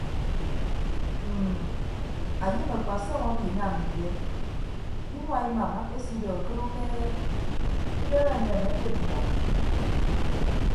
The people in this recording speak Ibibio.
Mm anyem akpasọm abinam die inua imam akesido akịd umeehe idem amem obiod ndọ.